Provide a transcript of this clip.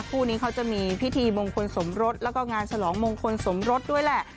คู่นี้เขาจะมีพิธีมงคลสมรสแล้วก็งานฉลองมงคลสมรสด้วยแหละ